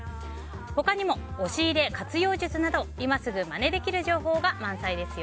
他にも押し入れ活用術など今すぐまねできる情報が満載です。